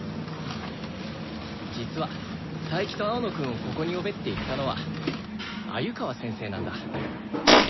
実は佐伯と青野くんをここに呼べって言ったのは鮎川先生なんだ。